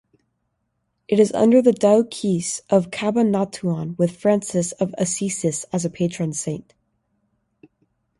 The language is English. It is under the Diocese of Cabanatuan with Francis of Assisi as patron saint.